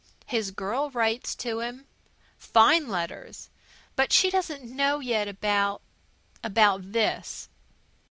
"His girl writes to him. Fine letters. But she doesn't know yet about about this.